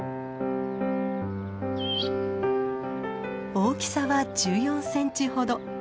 大きさは１４センチほど。